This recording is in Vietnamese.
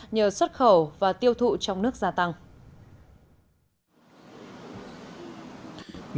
nhờ xuất khẩu và tiêu thụ trong nước gia tăng